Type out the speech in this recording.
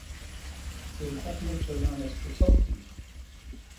The inhabitants are known as Creusotins.